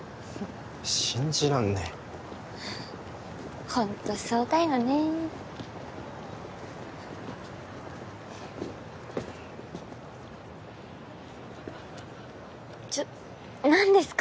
信じらんねえホントそうだよねちょっ何ですか？